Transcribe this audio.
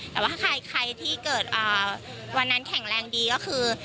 แต่ว่าถ้าใครที่เกิดวันนั้นแข็งแรงดีก็คือ